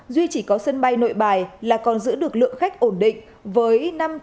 duy chỉ có sân bay nội bài là còn giữ được lượng khách ổn định với năm trăm ba mươi năm trăm bốn mươi